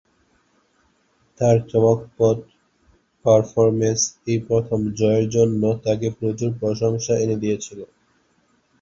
তার চমকপ্রদ পারফরম্যান্স এই প্রথম জয়ের জন্য তাকে প্রচুর প্রশংসা এনে দিয়েছিল।